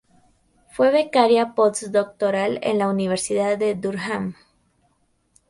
Fue becaria postdoctoral en la Universidad de Durham.